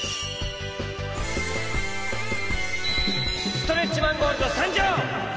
ストレッチマンゴールドさんじょう！